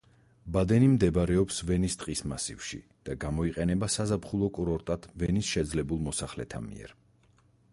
ბადენი მდებარეობს ვენის ტყის მასივში და გამოიყენება საზაფხულო კურორტად ვენის შეძლებულ მოსახლეთა მიერ.